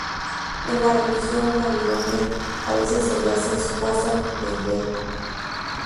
En la religión babilonia a veces se le hace esposa de Bel.